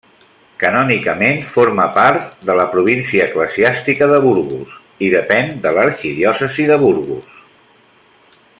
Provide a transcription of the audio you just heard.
Canònicament forma part de la província eclesiàstica de Burgos, i depèn de l'arxidiòcesi de Burgos.